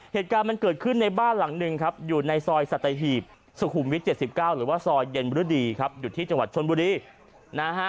เหตุการณ์มันเกิดขึ้นในบ้านหลังหนึ่งครับอยู่ในซอยสัตหีบสุขุมวิท๗๙หรือว่าซอยเย็นฤดีครับอยู่ที่จังหวัดชนบุรีนะฮะ